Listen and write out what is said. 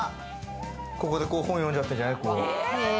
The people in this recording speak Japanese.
ここで本読んじゃってるんじゃない？